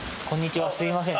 すみません